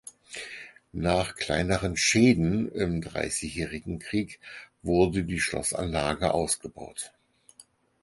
Nach kleineren Schäden im Dreißigjährigen Krieg wurde die Schlossanlage ausgebaut.